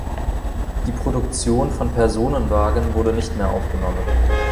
Die Produktion von Personenwagen wurde nicht mehr aufgenommen.